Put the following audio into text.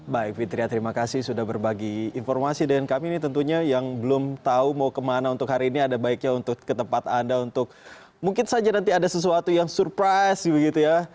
baik fitria terima kasih sudah berbagi informasi dengan kami ini tentunya yang belum tahu mau kemana untuk hari ini ada baiknya untuk ke tempat anda untuk mungkin saja nanti ada sesuatu yang surprise begitu ya